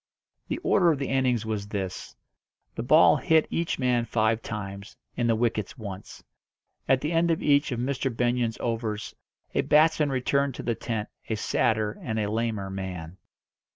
The order of the innings was this: the ball hit each man five times, and the wickets once. At the end of each of Mr. Benyon's overs a batsman returned to the tent a sadder and a lamer man.